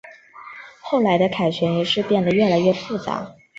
后来的凯旋仪式变得越来越复杂。